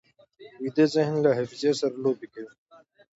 ویده ذهن له حافظې سره لوبې کوي